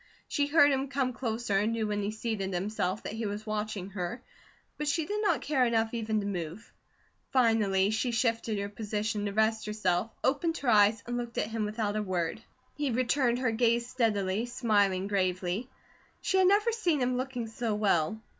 She heard him come closer and knew when he seated himself that he was watching her, but she did not care enough even to move. Finally she shifted her position to rest herself, opened her eyes, and looked at him without a word. He returned her gaze steadily, smiling gravely. She had never seen him looking so well.